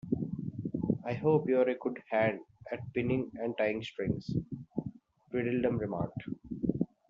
‘I hope you’re a good hand at pinning and tying strings?’ Tweedledum remarked.